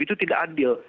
itu tidak adil